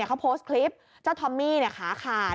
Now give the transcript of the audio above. เขาโพสต์คลิปเจ้าทอมมี่ขาขาด